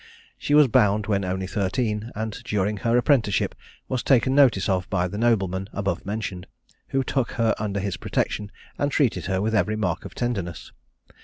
She was bound when only thirteen; and during her apprenticeship was taken notice of by the nobleman above mentioned, who took her under his protection, and treated her with every mark of tenderness.